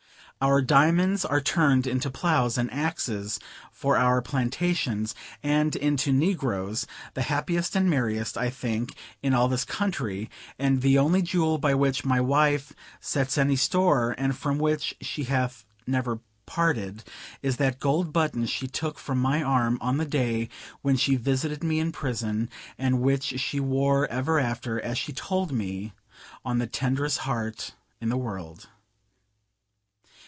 Our diamonds are turned into ploughs and axes for our plantations; and into negroes, the happiest and merriest, I think, in all this country: and the only jewel by which my wife sets any store, and from which she hath never parted, is that gold button she took from my arm on the day when she visited me in prison, and which she wore ever after, as she told me, on the tenderest heart in the world.